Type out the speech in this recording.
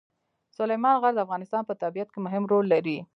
سلیمان غر د افغانستان په طبیعت کې مهم رول لري.